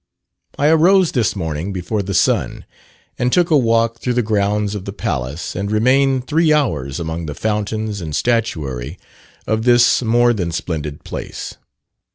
I arose this morning before the sun, and took a walk through the grounds of the Palace, and remained three hours among the fountains and statuary of this more than splendid place.